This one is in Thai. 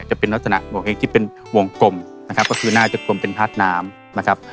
จะเป็นลักษณะโงเห้งที่เป็นวงกลมก็คือหน้าจะกลมเป็นทาสน้ำ